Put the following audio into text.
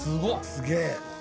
すげえ。